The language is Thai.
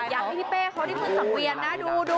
อยากให้พี่เป๊เขาได้คุณสังเวียนนะดู